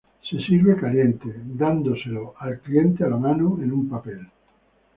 Se sirve caliente, dándolo al cliente a la mano, en un papel.